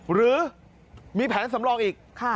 หรือมีแผนสำรองอีก